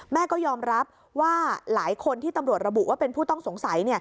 แม่ก็ยอมรับว่าหลายคนที่ตำรวจระบุว่าเป็นผู้ต้องสงสัย